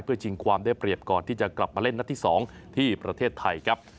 เพื่อชิงความได้เปรียบก่อนที่จะกลับมาเล่นนัดที่๒ที่ประเทศไทยครับ